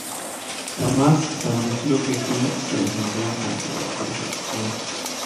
Además se anunció que Hill se desempeña como productor ejecutivo.